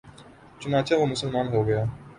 چنانچہ وہ مسلمان ہو گیا